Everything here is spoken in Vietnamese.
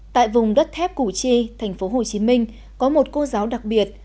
tại vùng đất thép củ chi tp hcm có một cô giáo đặc biệt